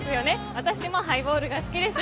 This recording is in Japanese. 私もハイボールが好きです。